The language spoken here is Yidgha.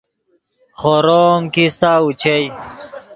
خورو ام کیستہ اوچئے